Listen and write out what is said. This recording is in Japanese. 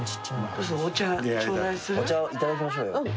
お茶をいただきましょうよ。